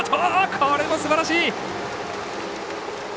これもすばらしい！